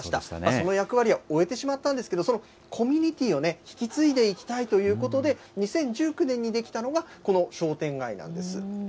その役割は終えてしまったんですけど、そのコミュニティを引き継いでいきたいということで、２０１９年に出来たのがこの商店街なんです。